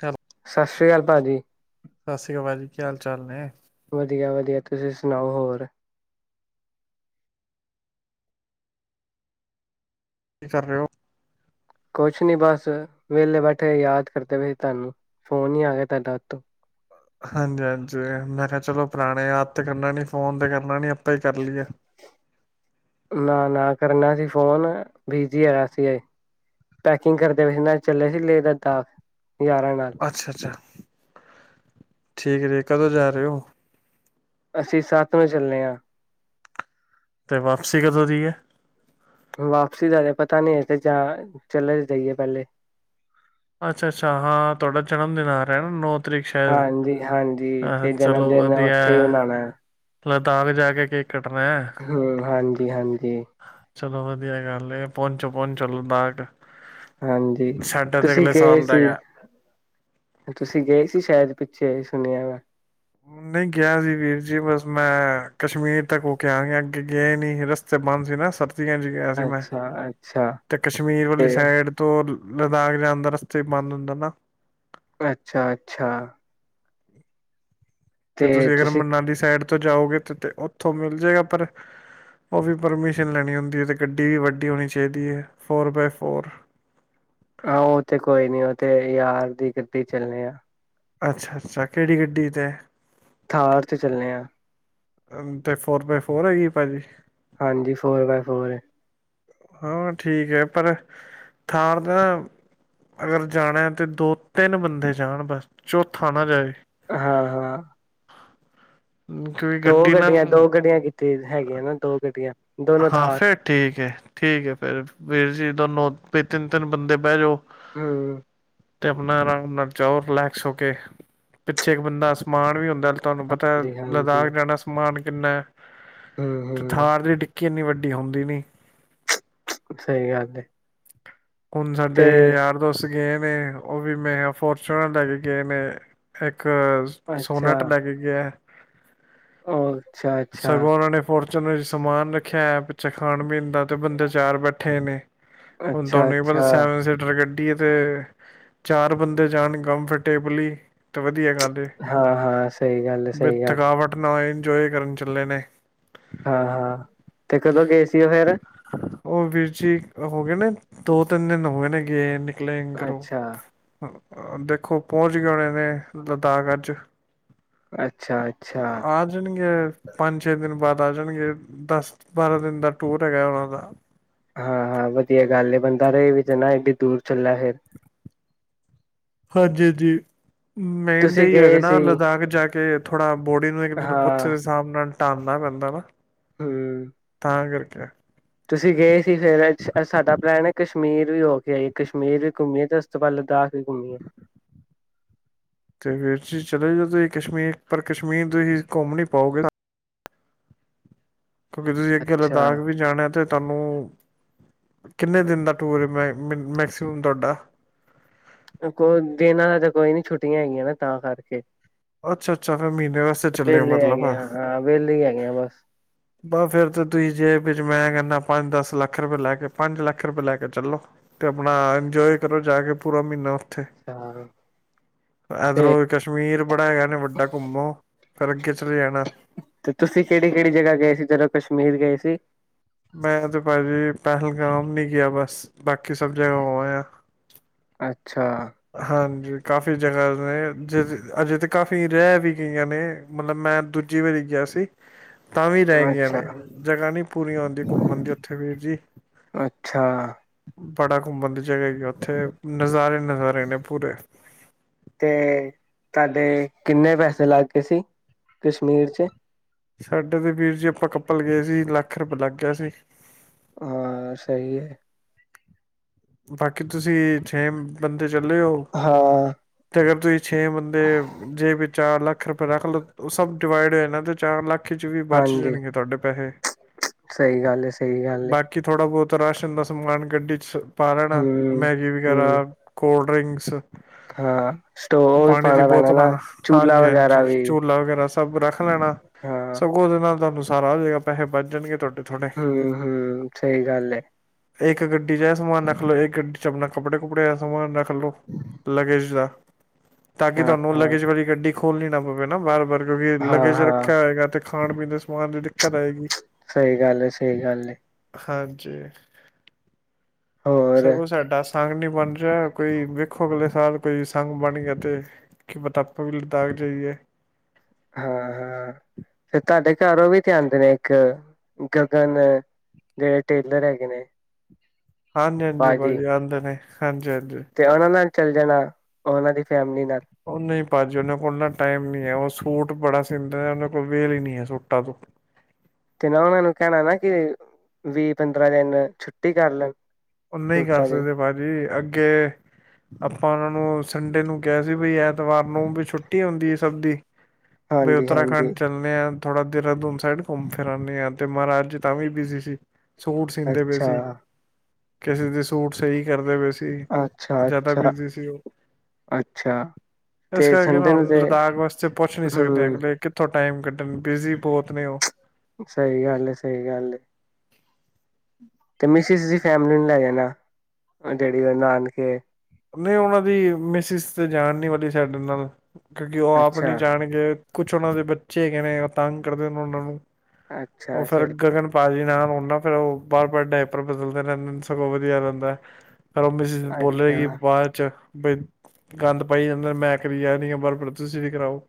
ਚਲ ਸਤਿ ਸ੍ਰੀ ਆਕਾਲ ਭਾਅ ਜੀ ਸਤਿ ਸ੍ਰੀ ਅਕਾਲ ਜੀ ਕੀ ਹਾਲ ਚਾਲ ਨੇ ਵਧੀਆ ਵਧੀਆ ਤੁਸੀਂ ਸੁਣਾਓ ਹੋਰ ਕੀ ਕਰ ਰਹੇ ਹੋ ਕੁਛ ਨੀ ਬਸ ਵਿਹਲੇ ਬੈਠੇ ਯਾਦ ਕਰਦੇ ਪਏ ਤੁਹਾਨੂੰ ਫ਼ੋਨ ਹੀ ਆ ਗਿਆ ਤੁਹਾਡਾ ਉਤੋਂ ਹਾਂਜੀ ਹਾਂਜੀ ਮੈਂ ਕਿਹਾ ਚਲੋ ਪੁਰਾਣੇ ਯਾਦ ਤੇ ਕਰਨਾ ਨੀ ਫੋਨ ਤੇ ਕਰਨਾ ਨੀ ਆਪਾਂ ਹੀ ਕਰ ਲਈਏ ਨਾ ਨਾ ਕਰਨਾ ਸੀ ਫੋਨ ਬਿਜੀ ਆਇਆ ਸੀ ਪੈਕਿੰਗ ਕਰਦੇ ਨਾ ਚੱਲੇ ਸੀ ਲੇਹ ਲਦਾਖ ਯਾਰਾਂ ਨਾਲ ਅੱਛਾ ਅੱਛਾ ਠੀਕ ਹੈ ਕਦੋਂ ਜਾ ਰਹੇ ਅਸੀਂ ਸੱਤ ਨੂੰ ਚੱਲੇ ਹਾਂ ਅਤੇ ਵਾਪਸੀ ਕਦੋਂ ਦੀ ਹੈ ਵਾਪਸੀ ਦਾ ਅਜੇ ਪਤਾ ਨੀ ਹੈ ਤੇ ਜਾਂ ਚਲੇ ਜਾਈਏ ਪਹਿਲੇ ਅੱਛਾ ਅੱਛਾ ਹਾਂ ਤੁਹਾਡਾ ਜਨਮ ਦਿਨ ਆ ਰਿਹਾ ਨਾ ਨੌ ਤਰੀਕ ਸ਼ਾਇਦ ਹਾਂਜੀ ਹਾਂਜੀ ਅ ਤੇ ਚਲੋ ਜਨਮ ਦਿਨ ਵਧੀਆ ਉੱਥੇ ਹੈ। ਹੀ ਮਨਾਉਣਾ ਹੈ ਲਦਾਖ ਜਾ ਕੇ ਕੇ ਹਮ ਹਾਂਜੀ ਹਾਂਜੀ। ਚਲੋ ਵਧੀਆ ਗੱਲ ਪਹੁੰਚੋ ਪਹੁੰਚੋ ਲੱਦਾਖ ਹਾਂਜੀ। ਤੁਸੀਂ ਗਏ ਸਾਲ ਦਾ ਸੀ ਹੈਗਾ ਤੁਸੀਂ ਗਏ ਸੀ ਸ਼ਾਇਦ ਪਿੱਛੇ ਸੁਣਿਆ ਵੈਂ। ਨਹੀਂ ਗਿਆ ਸੀ ਵੀਰ ਜੀ ਬਸ ਮੈਂ ਕਸ਼ਮੀਰ ਤੱਕ ਹੋ ਕੇ ਆ ਅੱਗੇ ਗਏ ਨਹੀਂ ਸੀ ਰਸਤੇ ਬੰਦ ਸੀ ਨਾ ਸਰ ਹਾਂਜੀ ਗਿਆ ਸੀ ਮੈਂ ਅੱਛਾ ਅੱਛਾ ਤੇ ਕਸ਼ਮੀਰ ਤੇ ਵਾਲੀ ਸਾਈਡ ਤੋਂ ਲਦਾਖ ਜਾਂਦਾ ਰਸਤੇ ਬੰਦ ਹੁੰਦਾ ਨਾ। ਅੱਛਾ ਅੱਛਾ। ਤੇ ਤੁਸੀਂ ਅਗਰ ਮੰਨਾਲੀ ਸਾਈਡ ਉਥੋਂ ਜਾਓਗੇ ਉੱਥੋਂ ਮਿਲ ਜਾਏਗਾ ਪਰ ਉਹ ਵੀ ਪਰਮਿਸ਼ਨ ਲੈਣੀ ਹੁੰਦੀ ਹੈ ਤੇ ਗੱਡੀ ਵੀ ਵੱਡੀ ਹੋਣੀ ਚਾਹੀਦੀ ਹੈ ਫੋਰ ਬਾਏ ਫੋਰ ਆਹੋ ਉਹ ਤੇ ਕੋਈ ਨੀ ਉਹ ਤੇ ਯਾਰ ਦੀ ਗੱਡੀ ਚੱਲੇ ਆ। ਅੱਛਾ ਅੱਛਾ ਕਿਹੜੀ ਗੱਡੀ ਤੇ? ਥਾਰ ਤੇ ਚੱਲੇ ਆਾਂ। ਤੇ ਫੋਰ ਬਾਏ ਫੋਰ ਹੈਗੀ ਭਾਜੀ। ਹਾਂਜੀ ਫੋਰ ਬਾਏ ਫੋਰ ਹਾਂ ਠੀਕ ਹੈ ਪਰ ਥਾਰ ਦਾ ਅਗਰ ਜਾਣਾ ਤੇ ਦੋ ਤਿੰਨ ਬੰਦੇ ਜਾਣ ਬਸ ਚੌਥਾ ਨਾ ਜਾਏ। ਹਾਂ ਹਾਂ। ਹਮ, ਕਿਉਂਕਿ ਦੋ ਗੱਡੀ ਨਾ ਗੱਡੀਆਂ ਦੋ ਗੱਡੀਆਂ ਕੀਤੀਆਂ। ਹੈਗੇ ਨਾ ਦੋ ਦੀਆਂ ਹਾਂ ਫੇਰ ਠੀਕ ਹੈ ਠੀਕ ਹੈ ਫਿਰ ਵੀਰ ਜੀ ਦੋਨੋ ਵੀ ਤਿੰਨ ਤਿੰਨ ਬੰਦੇ ਬਹਿ ਜਾਓ। ਹਾਂ। ਤੇ ਆਪਣਾ ਆਰਾਮ ਨਾਲ ਜਾਓ ਰਿਲੈਕਸ ਹੋ ਕੇ ਪਿੱਛੇ ਇੱਕ ਬੰਦਾ ਸਮਾਨ ਵੀ ਹੁੰਦਾ। ਤੁਹਾਨੂੰ ਪਤਾ ਜੀ ਹਾਂਜੀ ਲਦਾਖ ਜਾਣਾ ਸਮਾਨ ਕਿੰਨਾ? ਹਮ ਤੇ ਹਮ ਥਾਰ ਦੇ ਟਿੱ ਇਨੀ ਵੱਡੀ ਹੁੰਦੀ ਨੀ। ਸਹੀ ਗੱਲ ਏ ਹੁਣ ਸਾਡੇ ਯਾਰ ਦੋਸਤ ਗਏ ਨੇ ਉਹ ਵੀ ਮੈਂ ਫੋਚੂਨਰ ਲੈ ਕੇ ਗਏ ਨੇ ਇੱਕ ਇੱਕ ਅੱਛਾ ਸੋਨਟ ਲੈ ਕੇ ਗਿਆ। ਉਹ ਅੱਛਾ ਅੱਛਾ ਸਗੋਂ ਉਹਨਾਂ ਨੇ ਫੋਰ ਚਲੋ ਸਮਾਨ ਰੱਖਿਆ ਹੈ ਪਿੱਛੇ ਖਾਣ ਪੀਣ ਦਾ ਤੇ ਬੰਦੇ ਚਾਰ ਬੈਠੇ ਨੇ ਅੱਛਾ। ਅੱਛਾ ਦੋਸ ਸੈਵਨ ਸੀਟਰ ਗੱਡੀ [unintelligible] ਏ ਤੇ ਚਾਰ ਬੰਦੇ ਜਾਣ ਕੰਮਫਰਟੇਬਲੀ। ਤੇ ਵਧੀਆ ਗੱਲ ਏ ਹਾਂ ਹਾਂ ਸਹੀ ਗੱਲ ਹੈ ਬਸ ਸਹੀ ਗੱਲ ਥਕਾਵਟ ਨਾ ਹੋਏ। ਇੰਜੋਏ ਕਰਨ ਚਲੇ ਨੇ। ਹਾਂ-ਹਾਂ ਤੇ ਕਦੋਂ ਗਏ ਸੀ ਉਹ ਫੇਰ। ਹੋ ਗਏ ਨੇ। ਦੋ-ਤਿੰਨ ਦਿਨ ਹੋਏ ਨੇ ਗਏ ਨਿਕਲੇ ਘਰੋਂ। ਅੱਛਾ ਅ ਦੇਖੋ ਪਹੁੰਚ ਗਏ ਹੋਣੇ ਨੇ ਲਦਾਖ ਅੱਜ। ਅੱਛਾ ਅੱਛਾ ਆ ਜਾਣਗੇ ਪੰਜ-ਛੇ ਦਿਨ ਬਾਅਦ। ਆ ਜਾਣਗੇ ਦਸ-ਬਾਰਾਂ ਦਿਨ ਦਾ ਟੂਰ ਹੈਗਾ ਉਹਨਾਂ ਦਾ। ਹਾਂ-ਹਾਂ ਵਧੀਆ ਗੱਲ ਏ ਬੰਦਾ ਰਹੇ ਵੀ ਤੇ ਨਾ ਏਡੀ ਦੂਰ ਚੱਲਾ ਹੈ ਫਿਰ। ਹਾਂਜੀ ਜੀ। ਮੇਨ ਤਾਂ ਤੁਸੀਂ ਹੀ ਹੈਗਾ ਗਏ ਨਾ ਸੀ ਲਦਾਖ ਜਾ ਕੇ ਥੋੜ੍ਹਾ ਬੋਡੀ ਨੂੰ ਇਕ ਦਿਨ ਉੱਥੇ ਹਾਂ ਦੇ ਹਿਸਾਬ ਨਾਲ। ਡਾਲਣਾ ਪੈਂਦਾ ਨਾ। [unintelligible] ਹਮ [unintelligible] ਤੁਸੀਂ ਗਏ ਸੀ ਫੇਰ ਅੱਜ-ਅੱਜ ਸਾਡਾ ਪਲੈਨ ਐ। ਕਸ਼ਮੀਰ ਵੀ ਹੋ ਕੇ ਆਈ ਕਸ਼ਮੀਰ ਵੀ ਘੁੰਮੀਏ ਤਾਂ ਉਸ ਤੋਂ ਬਾਦ ਲਦਾਖ। ਵੀ ਘੁੰਮੀ ਹੈ। ਤੇ ਫੇਰ ਤੁਸੀਂ ਚਲੇ ਜਾਓ ਤੁਸੀਂ ਕਸ਼ਮੀਰ ਪਰ ਕਸ਼ਮੀਰ ਤੁਸੀਂ ਘੁੰਮ ਨੀ ਪਾਓਗੇ। ਕਿਉਂਕਿ ਤੁਸੀਂ ਅੱਗੇ ਅੱਛਾ ਲਦਾਖ ਵੀ ਜਾਣਾ ਅਤੇ ਤੁਹਾਨੂੰ ਕਿੰਨੇ ਦਿਨ ਦਾ ਟੂਰ ਹੈ ਮ ਮੈਕਸੀਮਮ ਤੁਹਾਡਾ। ਕੋ ਦਿਨਾਂ ਦਾ ਤਾਂ ਕੋਈ ਨੀ ਏ ਛੁੱਟੀਆਂ ਹੈਗੀਆਂ ਨਾ ਤਾਂ ਕਰਕੇ। ਅੱਛਾ-ਅੱਛਾ ਫੇਰ ਮਹੀਨੇ ਵਾਸਤੇ ਚੱਲੇ ਓ ਵਿਹਲੇ ਮਤਲਬ ਹੈਗੇ ਆ ਹਾਂ ਵਿਹਲੇ ਹੀ ਹੈਗੇ ਆ ਬਸ ਬਸ ਫੇਰ ਤੇ ਦੂਈ ਜੇ ਵਿੱਚ ਮੈਂ ਕਹਿੰਦਾ ਪੰਜ-ਦਸ ਲੱਖ ਰੁਪਏ ਲੈ ਕੇ ਪੰਜ ਲੱਖ ਰੁਪਏ ਲੈ ਕੇ ਚੱਲੋ। ਥੇ ਅੱਛਾ ਤੇ ਇਧਰੋਂ ਕਸ਼ਮੀਰ। ਬੜਾ ਹੈਗਾ ਨੇ ਵੱਡਾ ਘੁੰਮੋ ਫਿਰ ਅੱਗੇ ਚਲੇ ਜਾਣਾ। ਤੇ ਤੁਸੀਂ ਕਿਹੜੀ-ਕਿਹੜੀ ਜਗ੍ਹਾ ਗਏ ਸੀ ਜਦੋਂ। ਕਸ਼ਮੀਰ ਗਏ ਸੀ। ਮੈਂ ਤੇ ਭਾਜੀ ਪਹਿਲਗਾਮ ਨਹੀਂ ਗਿਆ ਬਸ ਬਾਕੀ ਸਭ ਜਗ੍ਹਾ ਹੋ ਆਇਆ। ਅੱਛ ਹਾਂਜੀ। ਕਾਫ਼ੀ ਜਗ੍ਹਾ ਰਹੇ ਜ ਅਜੇ ਤਾਂ ਕਾਫ਼ੀ ਰਹਿ ਵੀ ਗਈਆਂ ਨੇ ਮਤਲਬ ਮੈਂ ਦੂਜੀ ਵਾਰੀ ਗਿਆ ਸੀ। ਤਾਂ ਵੀ ਰਹਿ ਗਈਆਂ ਨੇ ਅੱਛਾ-ਅੱਛਾ-ਅੱਛਾ ਜਗ੍ਹਾ ਨੀ ਪੂਰੀ ਹੁੰਦੀ ਘੁੰਮਣ ਦੀ ਉੱਥੇ ਵੀਰ ਜੀ ਬੜਾ ਕੁ। [inaudible] ਜਗ੍ਹਾ ਉੱਥੇ ਨਜ਼ਾਰੇ ਨਜ਼ਾਰੇ ਨੇ ਪੂਰੇ ਤੇ ਤੁਹਾਡੇ ਕਿੰਨੇ ਪੈਸੇ ਲੱਗ ਗਏ ਸੀ ਕਸ਼ਮੀਰ ਚ? ਸਾਡੇ ਤੇ ਵੀਰ ਜੀ ਆਪਾਂ ਕੱਪਲ ਗਏ ਸੀ ਲੱਖ ਰੁਪਏ ਲੱਗ ਗਿਆ ਸੀ। ਹਾਂ ਸਹੀ ਹੈ। ਬਾਕੀ ਤੁਸੀਂ ਛੇ ਬੰਦੇ ਚੱਲੇ ਹੋ ਹਾਂ ਤੇ ਅਗਰ ਤੁਸੀਂ ਛੇ ਬੰਦੇ ਜੇ ਚਾਰ ਲੱਖ ਰੁਪਏ ਰੱਖ ਲ ਸਭ ਡਿਵਾਈਡ ਹੋ ਜਾਣਾ ਤੇ ਚਾਰ ਲੱਖ ੱਖੀ ਚ ਵੀ ਬਚ ਹਾਂਜੀ ਜਾਣਗੇ ਤੁਹਾਡੇ ਪੈਸੇ ਸਹੀ ਗੱਲ ਹੈ ਸਹੀ ਗੱਲ ਹੈ ਬਾਕੀ ਥੋੜਾ ਬਹੁਤ ਰਾਸ਼ਨ ਦਾ ਸਮਾਨ ਗੱਡੀ ਚ ਪਾ ਲਹਿਣਾ ਹਮ ਮੈਗੀ ਹਮ ਵਗੈਰਾ ਕੋਲ ਡਿ੍ੰਕਸ। ਹਾਂ ਸਟੋਵ ਵੀ ਪਾਣੀ ਦੀ ਪਾਉਣਾ ਪੈਣਾ ਬੋਤਲਾਂ ਨਾ ਚੂਲਾ ਹਾਂਜੀ ਵਗੈਰਾ ਹਾਂਜੀ ਵੀ ਝੂਲਾ ਵਗੈਰਾ ਸਭ ਰੱਖ ਲੈਣਾ ਹਾਂ ਸਗੋਂ ਉਹਦੇ ਨਾਲ ਤੁਹਾਨੂੰ ਸਾਰਾ ਜਗ੍ਹਾ ਪੈਸੇ ਬਚ ਜਾਣਗੇ ਤੁਹਾਡੇ ਥੋੜੇ ਹਮ ਹਮ ਸਹੀ ਗੱਲ ਐ। ਇੱਕ ਗੱਡੀ ਚ ਸਮਾਨ ਰਖਲੋ ਇਹ ਗੱਡੀ ਚ ਆਪਣਾ ਕੱਪੜੇ ਕੁੱਪੜੇ ਸਮਾਂਨ ਰੱਖ ਚਲੋ ਲਗੇਜ ਦਾ ਤਾਂ ਕਿ ਹਾਂ ਤੁਹਾਨੂੰ ਹਾਂ ਲਗੇਜ ਵਾਲੀ ਗੱਡੀ ਖੋਲਣੀ ਨਾ ਪਵੇ ਵਾਰ ਵਾਰ ਕਿਉਂਕਿ ਹਾਂ ਲਗੇਜ ਹਾਂ ਰੱਖਿਆ ਹੋਏਗਾ ਤੇ ਖਾਣ ਪੀਣ ਦੇ ਸਮਾਨ ਦੀ ਦਿੱਕਤ ਆਏਗੀ। ਸਹੀ ਗੱਲ ਏ ਸਹੀ ਗੱਲ ਏ ਹਾਂਜੀ। ਹੋਰ ਸਗੋਂ ਸਾਡਾ ਸ ਨਹੀਂ ਬਣ ਰਿਹਾ ਕੋਈ ਵਿ ਅਗਲੇ ਸਾਲ ਕਈ ਸੰੰਗ ਬਣ ਗਿਆ ਤੇ ਕੀ ਪਤਾ ਆਪਾਂ ਵੀ ਲਦਾਖ ਜਾਈਏ ਹਾਂ ਹਾਂ ਫੇ ਤੁਹਾਡੇ ਘਰ ਉਹ ਵੀ ਤੇ ਆਉਂਦੇ ਨੇ ਇੱਕ ਗਗਨ ਜਿਹੜੇ ਟੇਲਰ ਹੈਗੇ ਨੇ ਹਾਂਜੀ ਹਾਂਜੀ ਭਾਜੀ ਆਉਂਦੇ ਨੇ ਹਾਂਜੀ ਹਾਂਜੀ। ਤੇ ਉਹਨਾਂ ਨਾਲ ਚੱਲ ਜਾਣਾ ਉਹਨਾਂ ਦੀ ਫੈਮਿਲੀ ਨ ਉਹ ਨਹੀਂ ਭੱਜੀ ਉਹਨਾਂ ਕੋਲ ਨਾ ਟਾਈਮ ਨ ਹੈ ਉਹ ਸੂਟ ਟ ਬੜਾ ਸੀਂਦੇ ਨੇ ਉਹਦੇ ਕੋਲ ਵੇਲ ਹੀ ਨਹੀਂੀ ਹੈ ਸੂਟਾ ਤੋਂ ਤੇ ਨਾ ਉਹਨਾਂ ਨੂੰ ਕਹਿਣਾ ਨਾ ਕਿ ਵੀਹ ਪੰਦਰਾਂ ਦਿਨ ਛੁੱਟੀ ਕਰ ਲੈਣ ਉਹ ਨਹੀਂ ਕਰ ਸੁੱਤਾ ਜੀ ਸਕਦੇ ਭਾਜੀ ਅੱ ਅੱਗੇ ਆਪਾਂ ਉਹਨਾਂ ਨੂੰ ਸੰਡੇ ਨੂੰ ਕਿਹਾ ਸੀ ਬ ਯਾਰ ਭੁਦਵਾਰ ਨੂੰ ਵੀ ਛੁੱਟੀ ਹੁੰਦੀ ਸੀ ਸਬਦੀ ਬਈ ਹਾਂਜੀ ਹਾਂਜੀ ਉੱਤਰਾਖੰਡ ਚੱਲੇ ਆ ਥੜਾਦ [unintelligible] ਸਾਈਡ ਘੁੰਮ ਫਿਰੀ ਆ ਤੇ ਮਹਾਰਾਜ ਤਾਂ ਵੀ ਬਿਜੀੀ ਸੀ ਸੂਟ ਸੀੀਂਦੇ ਪਏ ਅੱਛਾ ਸੀ ਕਿਸੇ ਦੀ ਸੂਟ ਸਹੀ ਕਰਦੇ ਪਏ ਸੀ ਅੱਛਾ ਜ਼ਿਆਦਾ ਅੱਛਾ ਬਿਜੀੀ ਸੀ ਉਹ ਅੱਛਾ ਇਸ ਤੇ ਕਰਕੇ ਸੰਡੇ ਨੂੰ ਹੁਣ ਤੇ ਲਦਾਖ ਵਾਸਤੇ ਪੁੱਛ ਨੀ ਸਕਦੇ ਹੂੰ ਅਗਲੇ ਕਿੱਥੋਂ ਟਾਈਮ ਕੱਢਣ ਬਿਜੀੀ ਬਹੁਤ ਨੇ ਉਹ ਸਹੀ ਗੱਲ ਏ ਸਹੀ ਗੱਲ ਏ ਤੇ ਮਿਸਿਸ ਦੀ ਫੈਮਲੀ ਨੂੰ ਲੈ ਜਾਣਾ ਜਿਹੜੀ ਉਹ ਨਾਨ ਕੇ ਨਹੀਂ ਉਹਨਾਂ ਦੀ ਮਿਸਿਸ ਤੇ ਜਾਣ ਨੀ ਵਾਲੀ ਸਾਡੇ ਨਾਲ ਕਿਉਂਕਿ ਉਹ ਆਪ ਨਹੀਂੀ ਅੱਛਾ ਜਾਣਗੇ ਕੁਛ ਉਹਨਾਂ ਦੇ ਬੱਚੇ ਹੈਗੇ ਨੇ ਤੰਗ ਕਰਦੇ ਉਹਨਾਂ ਨੂੰ ਉਹ ਅੱਛਾ ਫੇਿਰ ਸਹੀ ਗਗਨਪਾਲ ਜੀ ਨਾਲ ਉਹ ਫੇਿਰ ਉਹ ਬਾਰ ਬਾਰ ਡਾਇਪਰ ਬਦਲਦੇ ਰਹਿੰਦੇ ਨੇ ਸਗੋਂ ਵਧੀਆ ਰਹਿੰਦਾ ਮਿਸੈਸ ਬੋਲੇ ਅੱਛਾ ਕਿ ਬ ਗੰਦ ਪਾਈ ਜਾਂਦਾ ਮੈਂ ਕਰੀ ਯ ਨ ਆ ਬ ਤੁਸੀਂ ਵੀ ਕਰਾਓ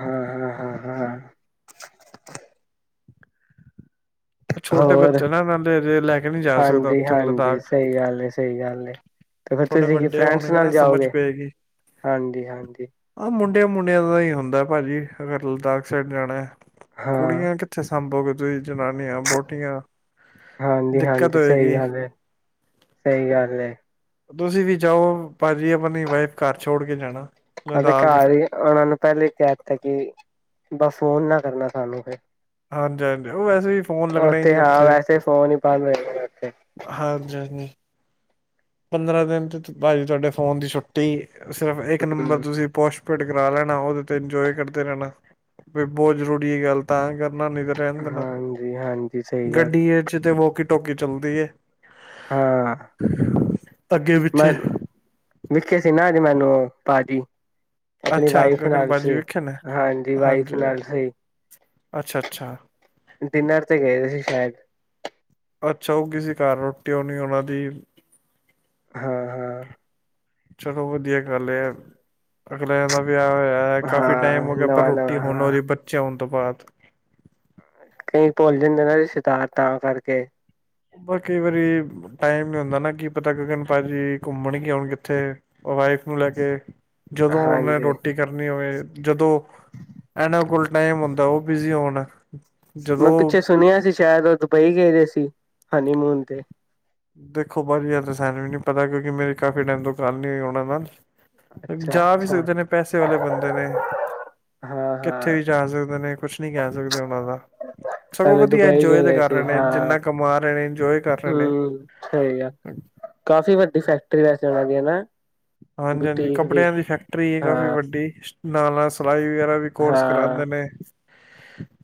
ਹਾਂ ਹਾਂ ਹਾਂ ਹਾਂ ਛੋਟੇ ਹੋਰ ਬੱਚੇ ਨਾ ਨਾਲੇ ਅਜੇ ਲੈ ਕੇ ਨਹੀਂ ਜਾ ਸਕਦਾ ਹਾਂਜੀ ਉੱਥੇ ਹਾਂਜੀ ਲਦਾਖ ਸਹੀ ਗੱਲ ਸਹੀ ਗੱਲ ਤੇ ਫਿਰ ਥੋੜੇ ਤੁਸੀਂ ਕੀ ਵੱਡੇ ਫਰੈਂਡਸ ਹੋਣਗੇ ਨਾਲ ਨਾ ਸਮਝ ਜਾਓਗੇ ਪਏਗੀ ਹਾਂਜੀ ਹਾਂਜੀ ਆਹ ਮੁੰਡਿਆਂ ਮੁੰਡਿਆਂ ਦਾ ਹੀ ਹੁੰਦਾ ਹੈ ਭਾਜੀ ਅਗਰ ਲਦਾਖ ਸਾਈਡ ਜਾਣਾ ਹਾਂ ਕੁੜੀਆਂ ਕਿੱਥੇ ਸਾਂਭੋਗੇ ਦ [inaudible] ਜਨਾਨੀਆਂ ਬਹੁਟੀਆਂ ਹਾਂਜੀ ਦਿੱਕਤ ਹਾਂਜੀ ਸਹੀ ਹੋਏਗੀ ਗੱਲ ਏ ਸਹੀ ਗੱਲ ਤੁਸੀਂ ਵੀ ਜਾਓ ਭਾਜੀ ਆਪਣੀ ਵਾਈਫ ਘਰ ਛੋੜ ਕੇ ਜਾਣਾ ਉਹਦੇ ਲਦਾਖ ਘਰ ਹੀ ਉਹਨਾਂ ਨੂੰ ਪਹਿਲੇ ਹੀ ਕਹਿ ਦਿੱਤਾ ਕਿ ਬੱਸ ਫੋਨ ਨਾ ਕਰਨਾ ਸਾਨੂੰ ਫ ਹਾਂਜੀ ਹਾਂਜੀ ਉਹ ਵੈਸੇ ਵੀ ਫੋਨ ਲੱਗਣਾ ਹੀ ਉੱਥੇ ਨਹੀਂ ਹਾਂ ਵੈਸੇ ਫੋਨ ਹੀ ਬੰਦ ਹੋ ਜਾਇਗਾ ੳੱਥੇ ਹਾਂਜੀ ਜੀ ਪੰਦਰਾਂ ਦਿਨ ਤੇ, ਭਾਜੀ ਤੁਹਾਡੇ ਫੋਨ ਦੀ ਛੁੱਟੀ। ਸਿਰਫ ਇੱਕ ਨੰਬਰ ਹਮ ਤੁਸੀਂ ਪੋਸ਼ਟ ਫਿਟਕਰਾ ਲੈਣਾ, ਉਹਦੇ ਤੇ ਇੰਜੋਏ ਕਰਦੇ ਰਹਿਣਾ ਵੀ ਬਹੁਤ ਜ਼ਰੂਰੀ ਆ ਯਾਰ ਨਾਨੀ ਕੇ ਰਹਿਣ ਦੇਣਾ, ਹਾਂਜੀ ਹਾਂਜੀ ਸਹੀ ਗੱਲ ਗੱਡੀਏ ਚ ਤੇ ਮੌਕ ਟੋਕੇ ਚੱਲਦੀ ਏ। ਹਾਂ [inaudible] ਮੈਂ, ਵੇਖੇ ਸੀ ਨਾ ਮੈਨੂੰ ਭਾਜੀ ਆਪਣੀ ਅੱਛਾ ਵਾਈਫ ਗਗਨ ਨਾਲ ਬਾਜੀ ਸੀ। ਵੇਖਿਆ ਨੇ ਹਾਂਜੀ ਵਾਈਫ ਹਾਂਜੀ ਨਾਲ ਸੀ ਅੱਛਾ ਅੱਛਾ ਡਿਨਰ ਤੇ ਗਏ ਸੀ ਸ਼ਾਇਦ। ਅੱਛਾ ਉਹ ਕਿਸੀ ਘਰ ਰੋਟੀ ਹੋਣੀ ਉਹਨਾਂ ਦੀ। ਹਾਂ ਹਾਂ ਚਲੋ ਵਧੀਆ ਗੱਲ ਏ ਐ- ਅਗਲਿਆਂ ਦਾ ਵੀ ਪਿਆ ਹੋਇਆ, ਕਾਫੀ ਟਾਈਮ ਹਾਂ ਹੋ ਗਿਆ ਪਰ ਨਵਾਂ ਰੋਟੀ ਨਵਾਂ ਹੁਣ ਹਾਂ ਉਹਦੀ ਬੱਚੇ ਹੋ ਤੋਂ ਬਾਅਦ ਕਈ ਭੁੱਲ ਜਾਂਦੇ ਨਾ, ਰਿਸ਼ਤੇਦਾਰ ਤਾਂ ਕਰਕੇ ਕਈ ਵਾਰੀ ਟਾਈਮ ਨੀ ਹੁੰਦਾ ਨਾ, ਕੀ ਪਤਾ ਕਿ ਭਾਜੀ ਘੁੰਮਣ ਕੀ ਆਉਣ ਕਿੱਥੇ ਵਾਈਫ ਨੂੰ ਲੈ ਕੇ ਜਦੋਂ ਮੈਂ ਨੇ ਹਾਂਜੀ ਰੋਟੀ ਕਰਨੀ ਹੋਵੇ ਜਦੋਂਂ ਇਹਨਾਂ ਕੋਲ ਟਾਈਮ ਹੁੰਦਾ, ਉਹ ਬਿਜੀ ਹੋਣ ਮੈਂ, ਜਦੋਂ ਪਿੱਛੇ ਸੁਣਿਆ ਸੀ। ਸ਼ਾਇਦ, ਉਹ ਦੁਬਈ ਗਏ ਹੋਇ ਸੀ, ਹਨੀ ਮੂਨ ਤੇ ਦੇਖੋ ਬਾਜੀ ਜ ਯਾਰ ਤਾਂ ਸਾਨੂੰ ਵੀ ਨੀ ਪਤਾ, ਕਿਉਂਕਿ ਮੇਰੀ ਕਾਫੀ ਟਾਈਮ ਤੋਂ ਗੱਲ ਨਹੀਂ ਹੋਈ ਉਹਨਾਂ ਨਾਲ ਅੱਛਾ ਜਾ ਵੀ ਅੱਛਾ ਸਕਦੇ ਨੇ, ਪੈਸੇ ਵਾਲੇ ਬੰਦੇ ਨੇ ਹਾਂ ਕਿੱਥੇ ਹਾਂ ਵੀ ਜਾ ਸਕਦੇ ਨੇ, ਕੁਛ ਨੀ ਕਹਿ ਸਕਦੇ ਉਹਨਾਂ ਦਾ, ਸਗੋਂ ਪਹਿਲੇ ਵਧੀਆ ਦੁਬਈ ਇੰਜੋਏ ਤੇ ਗਏ ਕਰ ਸੀ ਰਹੇ ਨੇ ਹਾਂ ਜਿੰਨਾ ਕਮਾ ਰਹੇ ਨੇ ਇੰਜੋਏ ਕਰ ਰਹੇ ਨੇ। ਹੂੰ ਸਹੀ ਆ, ਕਾਫ਼ੀ ਵੱਡੀ ਫੈਕਟਰੀ ਵੈ ਚਲਾ ਦੀਆਂ ਨਾ। ਹਾਂਜੀ ਹਾਂਜੀ, ਕੱਪੜਿਆਂ ਦੀ ਫੈਕਟਰੀ ਹੈ ਹਾਂ ਕਾਫ਼ੀ ਵੱਡੀ ਨਾਲ ਨਾਲ ਸਿਲਾਈ ਵਗਰਾ ਵੀ ਕੋਰਸ ਕਰਾਂਦੇ ਹਾਂ ਨੇ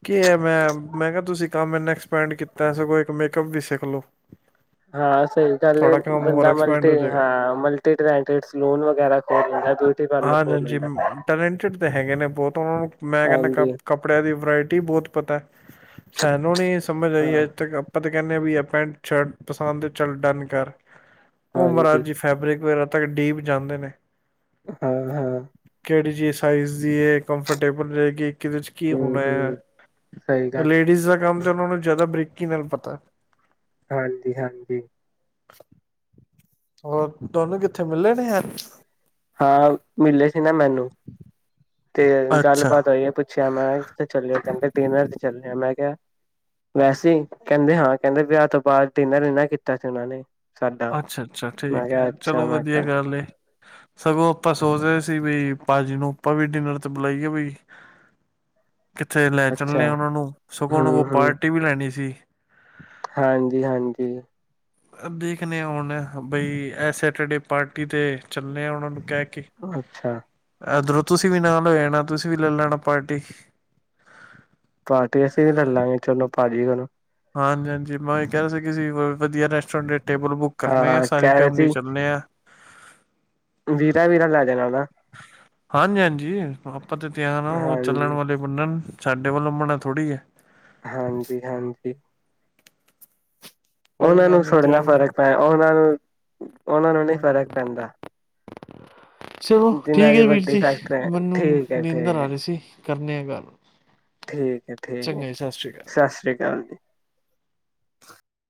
ਕਿਹਾ ਆ ਮੈਂ, ਮੈਂ ਕਿਹਾ ਤੁਸੀਂ ਤਾਂ ਮੈ ਐਕਸਪੈਂਡ ਕੀਤਾ, ਸਗੋਂ ਇੱਕ ਮੇਕਅਪ ਵੀ ਸਿੱਖ ਲੋ। ਹਾਂ ਸਹੀ ਗੱਲ ਹੈ ਹੋਰ ਬੰਦਾ ਮਲਟੀ ਐਕਸਪੈਂਡ ਹੋ ਜਾਏਗਾ ਹਾਂ ਮਲਟੀ ਟਲੈਤਸ ਲੋਨ ਵਗੈਰਾ ਕਰ ਦਿੰਦਾ ਹਾਂਜੀ ਹਾਂਜੀ ਟੈਲੈਂਟਡ ਤੇ ਹੈਗੇ ਨੇ। ਬਹੁਤ ਉਹਨਾਂ ਨੂੰ ਮੈਂ ਕਹਿੰਨਾ ਕ ਹਾਂਜੀ ਕੱਪੜਿਆਂ ਦੀ ਵਰਾਇਟੀ ਬਹੁਤ ਪਤਾ, ਸਾਨੂੰ ਨੀ ਸਮਝ ਹਾਂ ਆਈ ਅੱਜ ਤੱਕ ਆਪਾਂ ਤੇ ਕਹਿੰਦੇ ਵੀ ਆ ਪੈਂਟ ਸ਼ਰਟ ਪਸੰਦ ਚੱਲ ਡਨ ਕਰ ਉਹ ਮਾਰਾਜ ਹਾਂਜੀ ਜੀ ਫੈਬਰਿਕ ਵਗੈਰਾ ਤੱਕ ਡੀਪ ਜਾਂਦੇ ਨੇ। ਹਾਂ ਹਾਂ ਕਿਹੜੀ ਚੀਜ਼ ਸਾਈਜ਼ ਦੀ ਹੈ ਕੰਫਰਟੇਬਲ ਰਹੇਗੀ। ਕਿਦੇ ਚ ਕੀ ਹੂੰ ਹੋਣਾ ਆ ਹੂੰ ਸਹੀ ਗੱਲ ਏ। ਲੇਡੀਜ਼ ਦਾ ਕੰਮ ਤਾਂ ਉਹਨਾਂ ਨੂੰ ਜ਼ਿਆਦਾ ਬਰੀਕੀ ਨਾਲ ਪਤਾ ਹਾਂਜੀ-ਹਾਂਜੀ [unintelligible] ਹੋਰ? ਤੁਹਾਨੂੰ ਕਿੱਥੇ ਮਿਲੇ ਨੇ ਯਾਰ ਹਾਂ ਮਿਲੇ ਸੀ ਨਾ ਮੈਨੂੰ ਤੇ ਅੱਛਾ ਗੱਲਬਾਤ ਹੋਈ ਏ, ਪੁੱਛਿਆ ਮੈਂ ਕਿਥੇ ਚਲੇ ਓ? ਕਹਿੰਦੇ ਡਿਨਰ ਤੇ ਚੱਲਿਆ ਮੈਂ ਕਿਆ, ਵੈਸੇ ਕਹਿੰਦੇ ਹਾਂ ਕਹਿੰਦੇ ਵਿਆਹ ਤੋਂ ਬਾਦ ਡਿਨਰ ਨਈ ਨਾ ਕੀਤਾ ਸੀ ਉਹਨਾਂ ਨੇ ਸਾਡਾ ਅੱਛਾ-ਅੱਛਾ ਮੈਂ ਠੀਕ ਕਿਹਾ ਹੈ ਅੱਛਾ ਚਲੋ ਮੈਂ ਵਧੀਆ ਕਿਹਾ ਗੱਲ ਏ। ਸਗੋਂ ਆਪਾਂ ਸੋਚ ਰਹੇ ਸੀ ਵੀ ਭਾਜੀ ਨੂੰ ਆਪਾਂ ਵੀ ਡਿਨਰ ਤੇ ਬੁਲਾਈਏ ਵਈ ਕਿੱਥੇ ਲੈ ਅੱਛਾ ਚੱਲੇ ਆ ਉਹਨਾ ਨੂੰ ਸਗੋਂ ਉਹ ਕੋ ਹੂੰ ਹੂੰ ਪਾਰਟੀ ਵੀ ਲੈਣੀ ਸੀ। ਹਾਂਜੀ ਹਾਂਜੀ ਦੇਖਦੇ ਹੁਣ ਬਈ ਇਹ ਸੈਟਰਡੇ ਪਾਰਟੀ ਤੇ ਚੱਲੇ ਆ ਉਹਨਾਂ ਨੂੰ ਕਹਿ ਕੇ, ਅੱਛਾ ਇਧਰੋਂ ਤੁਸੀਂ ਵੀ ਨਾਲ ਹੋ ਜਾਣਾ ਤੁਸੀਂ ਵੀ ਲੈ ਲੈਣਾ ਪਾਰਟੀ ਪਾਰਟੀ ਅਸੀਂ ਬ ਲਲਾਗੇ ਚਲੋ। ਭਾਜੀ ਗੱਲੋ ਹਾਂਜੀ ਹਾਂਜੀ ਮੈਂ ਉਹੀ ਕਹਿ ਰਿਹਾ ਸੀ ਕਿਸੀ ਵਧੀਆ ਰੈਸਟੋਰੈਂਟ ਟੇਬਲ ਬੁੱਕ ਕਰਨੇ ਆ ਹਾਂ ਸਾਰੀ ਕਹਿ ਰਹੇ ਫੈਮਲੀ ਸੀ ਚਲਨੇ ਆ ਵੀਰਾ ਵੀਰਾ ਲੈ ਜਾਣਾ ਨਾ ਹਾਂਜੀ-ਹਾਂਜੀ ਜੀ ਆਪਾਂ ਤੇ ਤਿਆਰ ਆ ਉਹ ਹਾਂਜੀ ਚੱਲਣ ਵਾਲੇ ਬੰਨਣ ਸਾਡੇ ਵੱਲੋਂ ਮਨਾ ਥੋੜ੍ਹੀ ਹੈ। ਹਾਂਜੀ -ਹਾਂਜੀ ਕੋਈ ਉਹਨਾਂ ਗੱਲ ਨੂੰ ਨੀ ਸੋਡੇ ਨਾਲ ਤਿਆਰੀ ਫ਼ਰਕ ਐ ਉਹਨਾਂ ਨੂੰ ਉਹਨਾਂ ਨੂੰ ਨੀ ਹਾਂਜੀ ਫ਼ਰਕ ਪੈਂਦਾ। ਚਲੋ, ਜਿੰਨਾਂ ਠੀਕ ਦੀ ਹੈ ਵੀਰ ਵੱਡੀ ਜੀ ਫੈਕਟਰੀ ਮੈਨੂੰ ਠੀਕ ਹੈ ਨੀਂਦਰ ਆ ਠੀਕ ਰਹੀ ਹੈ ਸੀ ਕਰਨੇ ਆ ਗੱਲ ਠੀਕ ਹੈ ਠੀਕ ਹੈ ਚੰਗਾ ਜੀ ਸਤਿ ਸ਼੍ਰੀ ਅਕਾਲ ਸਤਿ ਸ੍ਰੀ ਅਕਾਲ ਜੀ।